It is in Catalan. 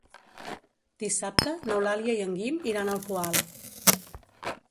Dissabte n'Eulàlia i en Guim iran al Poal.